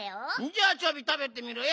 じゃあチョビたべてみろよ！